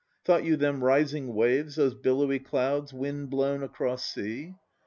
178 HAGAROMO 179 Thought you them rising waves, those billowy clouds Wind blown across sea?